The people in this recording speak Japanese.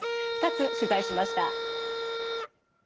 ２つ取材しました。